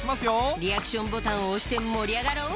リアクションボタンを押して盛り上がろう！